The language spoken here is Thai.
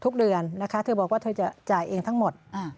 ทุกเดือนนะคะเธอบอกว่าเธอจะจ่ายเองทั้งหมด